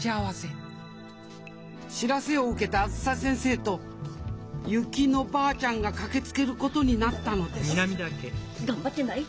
知らせを受けたあづさ先生と薫乃ばあちゃんが駆けつけることになったのです頑張ってない。